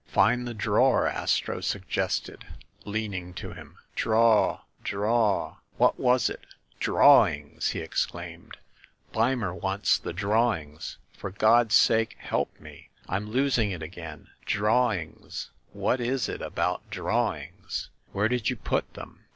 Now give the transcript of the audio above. "Find the drawer," Astro suggested, leaning to him. "Draw ‚ÄĒ draw ‚ÄĒ What was it? Drawings!" he exclaimed. "Beimer wants the drawings ! For God's sake, help me ! I'm losing it again ! Drawings ! What is it about drawings?" "Where did you put them